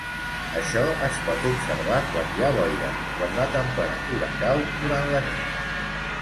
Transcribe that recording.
Això es pot observar quan hi ha boira, quan la temperatura cau durant la nit.